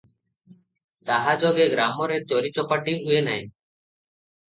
ତାହା ଯୋଗେ ଗ୍ରାମରେ ଚୋରି ଚପାଟି ହୁଏ ନାହିଁ ।